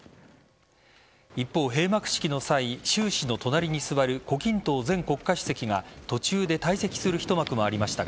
一方、閉幕式の習主席の隣に座る胡錦濤前国家主席が途中で退席する一幕もありました。